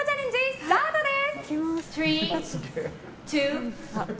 スタートです！